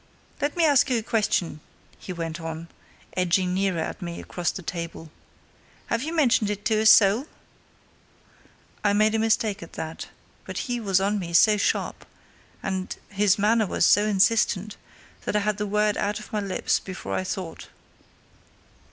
Let me ask you a question," he went on, edging nearer at me across the table. "Have you mentioned it to a soul?" I made a mistake at that, but he was on me so sharp, and his manner was so insistent, that I had the word out of my lips before I thought.